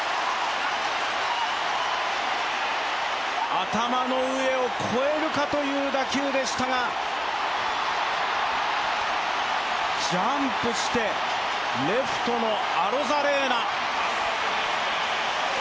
頭の上を越えるかという打球でしたがジャンプして、レフトのアロザレーナ。